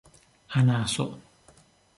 anaso